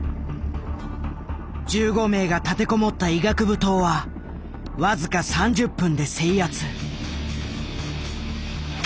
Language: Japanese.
１５名が立て籠もった医学部棟は僅か３０分で制圧。